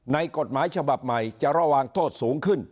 กฎหมายฉบับใหม่จะระวังโทษสูงขึ้น